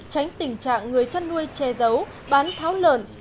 tránh tình trạng người chăn nuôi che giấu bán tháo lợn